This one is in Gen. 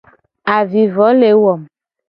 Avivo le wo.